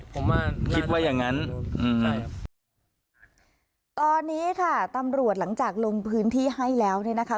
ผมว่าคิดว่าอย่างงั้นอืมใช่ครับตอนนี้ค่ะตำรวจหลังจากลงพื้นที่ให้แล้วเนี่ยนะคะ